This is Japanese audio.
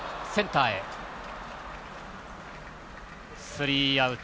スリーアウト。